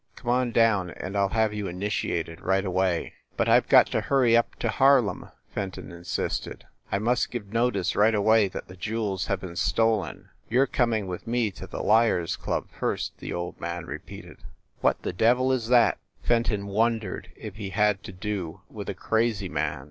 Come on down, and I ll have you initiated right away !" "But I ve got to hurry up to Harlem!" Fenton insisted. "I must give notice right away that the jewels have been stolen." "You re coming with me to the Liars Club first !" the old man repeated. "What the devil is that ?" Fenton wondered if he had to do with a crazy man.